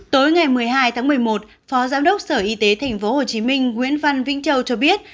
tối ngày một mươi hai tháng một mươi một phó giám đốc sở y tế tp hcm nguyễn văn vĩnh châu cho biết